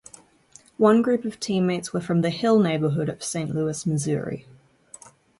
One group of teammates were from The Hill neighborhood of Saint Louis, Missouri.